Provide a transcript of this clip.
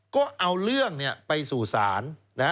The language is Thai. ก็เอาเรื่องไปสู่ศาล